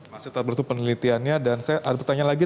masih terbentuk penelitiannya dan saya ada pertanyaan lagi